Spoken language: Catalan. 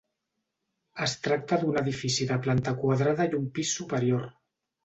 Es tracta d’un edifici de planta quadrada i un pis superior.